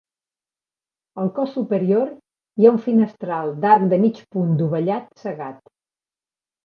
Al cos superior hi ha un finestral d'arc de mig punt dovellat cegat.